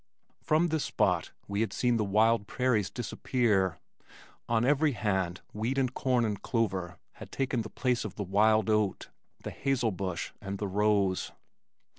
From this spot we had seen the wild prairies disappear. On every hand wheat and corn and clover had taken the place of the wild oat, the hazelbush and the rose.